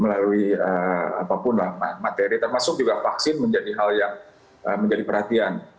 melalui apapun materi termasuk juga vaksin menjadi hal yang menjadi perhatian